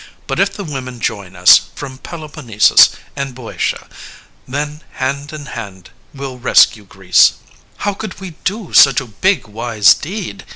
But if the women join us From Peloponnesus and Boeotia, then Hand in hand we'll rescue Greece. CALONICE How could we do Such a big wise deed?